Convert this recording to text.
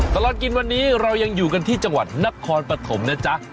ตลอดกินวันนี้เรายังอยู่กันที่จังหวัดนครปฐมนะจ๊ะ